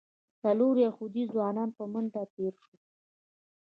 څلور یهودي ځوانان په منډه تېر شول.